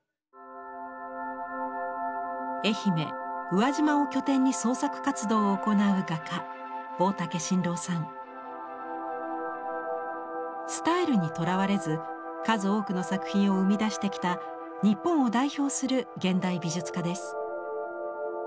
愛媛・宇和島を拠点に創作活動を行うスタイルにとらわれず数多くの作品を生み出してきた日本を代表する現代美術家です。